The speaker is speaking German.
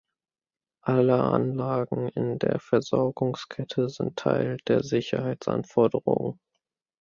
Alle Anlagen in der Versorgungskette sind Teil der Sicherheitsanforderungen.